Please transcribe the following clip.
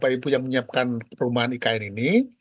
bapak ibu yang menyiapkan perumahan ikn ini